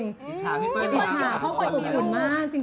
อิชาเพราะเขาตกขุนมากจริง